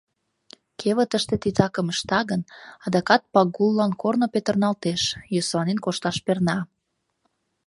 Кевытыште титакым ышта гын, адакат Пагуллан корно петырналтеш, йӧсланен кошташ перна.